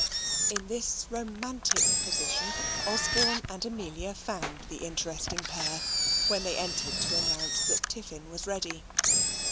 In this romantic position Osborne and Amelia found the interesting pair, when they entered to announce that tiffin was ready.